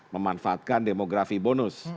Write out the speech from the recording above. memanfaatkan demografi bonus